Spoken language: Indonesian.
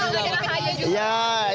romi dan ahaya juga